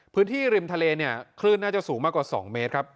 พื้นที่ริมทะเลเนี่ยคลื่นน่าจะสูงมากกว่า๒เมตรครับ